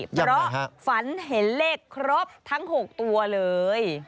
เพราะฝันเห็นเลขครบทั้ง๖ตัวเลย